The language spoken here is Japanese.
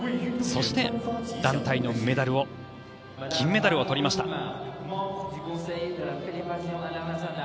そして、団体のメダルを金メダルを取りました。